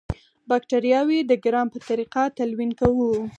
باکټریاوې د ګرام په طریقه تلوین کوو.